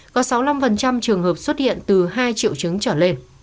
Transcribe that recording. có sáu mươi năm trường hợp xuất hiện từ hai triệu chứng trở lên